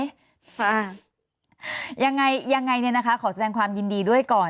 ค่ะยังไงยังไงเนี่ยนะคะขอแสดงความยินดีด้วยก่อน